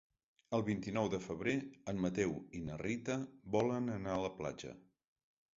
El vint-i-nou de febrer en Mateu i na Rita volen anar a la platja.